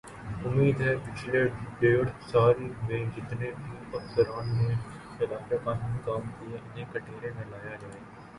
امید ہے پچھلے ڈیڑھ سال میں جتنے بھی افسران نے خلاف قانون کام کیے انہیں کٹہرے میں لایا جائے گا